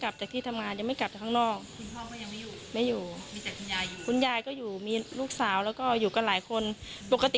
เพราะว่าเขาเคยไปแล้วไง